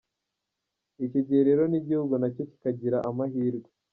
Icyo gihe rero n’igihugu na cyo kikagira amahirwe.